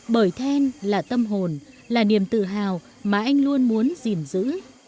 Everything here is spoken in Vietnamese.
bởi then là tâm hồn là niềm tự hào mà anh luôn muốn gìn giữ